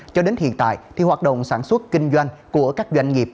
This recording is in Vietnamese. cho đến hiện tại thì hoạt động sản xuất kinh doanh của các doanh nghiệp